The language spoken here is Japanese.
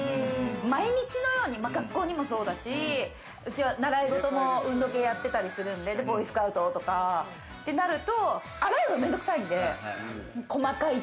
毎日のように、学校でもそうだし、習い事も運動系やってたりとかするんで、ボーイスカウトとか洗うの面倒くさいんで。